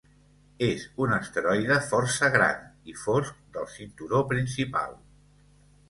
És un asteroide força gran i fosc del cinturó principal.